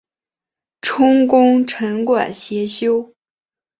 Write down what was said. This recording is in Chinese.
充功臣馆协修。